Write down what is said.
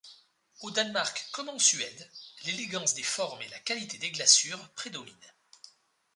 Au Danemark comme en Suède, l'élégance des formes et la qualité des glaçures prédominent.